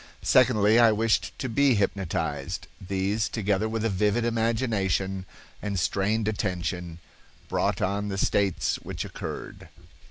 Secondly, I wished to be hypnotized. These, together with a vivid imagination and strained attention, brought on the states which occurred."